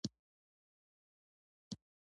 د طبعیت پر دغه عظیم قانون به څه وویل شي.